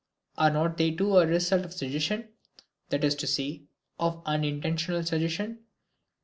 Are not they, too, a result of suggestion, that is to say, of unintentional suggestion?